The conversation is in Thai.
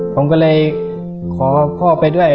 ผมก็เลยขอพ่อไปด้วย